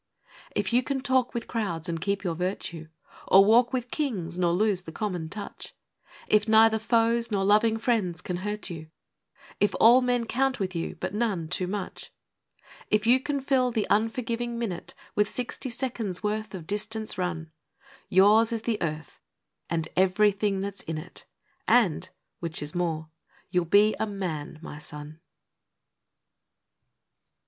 If you can talk with crowds and keep your virtue, Or walk with Kings nor lose the common touch; If neither foes nor loving friends can hurt you, If all men count with you, but none too much; If you can fill the unforgiving minute With sixty seconds' worth of distance run, Yours is the Earth and everything that's in it, And which is more you'll be a Man, my son!